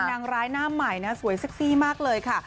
นางร้ายหน้าใหม่นะสวยเซ็กซี่มากเลยค่ะ